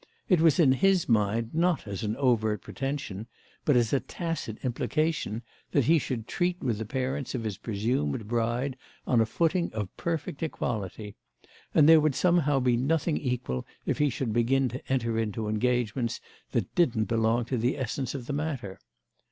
It was in his mind not as an overt pretension but as a tacit implication that he should treat with the parents of his presumed bride on a footing of perfect equality; and there would somehow be nothing equal if he should begin to enter into engagements that didn't belong to the essence of the matter.